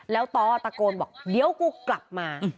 แล้วต้อตะโกนบอกเดี๋ยวกูกลับมา